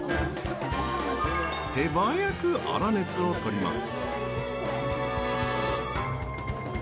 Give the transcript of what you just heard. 手早く粗熱を取ります。